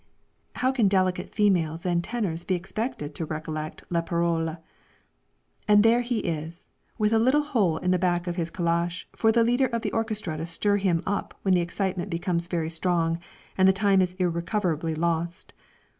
How can delicate females and tenors be expected to recollect "les paroles;") and there he is, with a little hole in the back of his calash for the leader of the orchestra to stir him up when the excitement becomes very strong, and the time is irrecoverably lost.